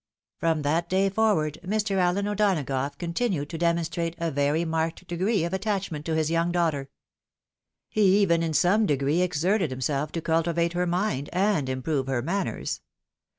" From that day forward Mr. Allen O'Donagough continued to demonstrate a very marked degree of attachment to his young daughter. He even in some degree exerted himself to cultivate her mind, and improve her manners.